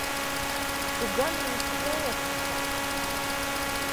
Tu ganīsi vērsi taču.